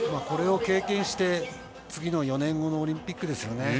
これを経験して次の４年後のオリンピックですね。